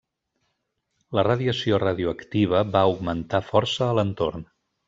La radiació radioactiva va augmentar força a l'entorn.